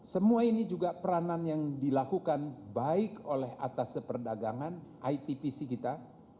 semua ini juga peranan yang dilakukan baik oleh atas perdagangan itpc kita